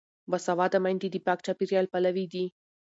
باسواده میندې د پاک چاپیریال پلوي دي.